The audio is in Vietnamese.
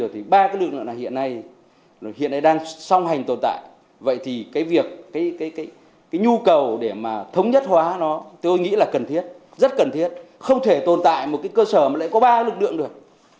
thống nhất hóa nó tôi nghĩ là cần thiết rất cần thiết không thể tồn tại một cơ sở mà lại có ba lực lượng được